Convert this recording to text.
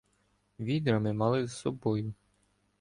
Відра ми мали з собою.